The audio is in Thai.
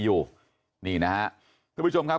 อยู่นี่นะฮะทุกผู้ชมครับ